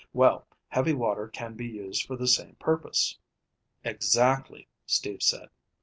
Well, heavy water can be used for the same purpose." "Exactly," Steve said.